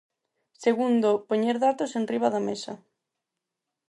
Segundo, poñer datos enriba da mesa.